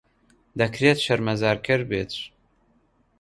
دەکرێت شەرمەزارکەر بێت.